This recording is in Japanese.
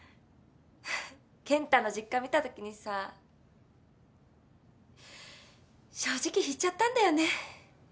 健太の実家見たときにさ正直引いちゃったんだよね。